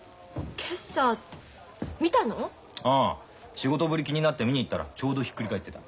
仕事ぶり気になって見に行ったらちょうどひっくり返ってた。